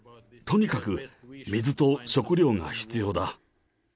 とにかく水と食料が必要だ。